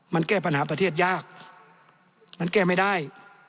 มันแก้ปัญหาประเทศยากมันแก้ไม่ได้